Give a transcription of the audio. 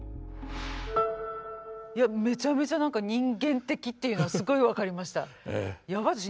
いやメチャメチャ何か人間的っていうのがすごい分かりました。